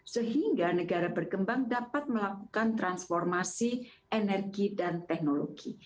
sehingga negara berkembang dapat melakukan transformasi energi dan teknologi